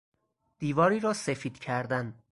دیواری را سفید کردن